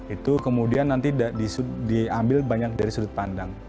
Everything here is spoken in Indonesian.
itu kemudian nanti diambil banyak dari sudut pandang